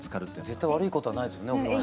絶対悪いことはないですよねお風呂。